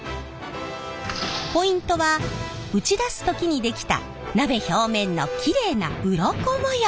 ポイントは打ち出す時に出来た鍋表面のきれいなウロコ模様！